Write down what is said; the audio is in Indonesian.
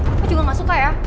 aku juga gak suka ya